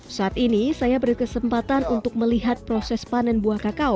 saat ini saya berkesempatan untuk melihat proses panen buah kakao